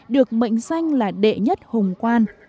được mệnh danh là đệ nhất hồng quan